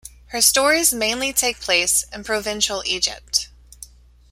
Her stories mainly take place in provincial Egypt.